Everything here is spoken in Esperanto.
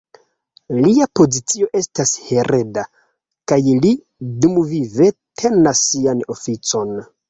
Lia pozicio estas hereda, kaj li dumvive tenas sian oficon.